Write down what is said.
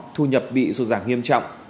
thu nhập bị sụt giảng nghiêm trọng